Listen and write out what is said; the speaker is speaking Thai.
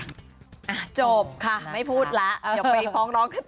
อะจบค่ะไม่พูดแล้วอย่าไปฟ้องน้องก็ต่อ